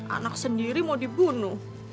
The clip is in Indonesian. anak sendiri mau dibunuh